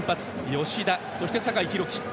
吉田、そして酒井宏樹。